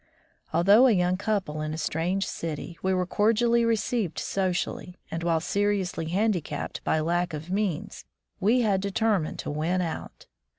Although a young couple in a strange city, we were cordially received socially, and while seriously handicapped by lack of means, we had determined to win out.